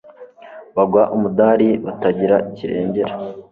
bagwa umudari batagira kirengera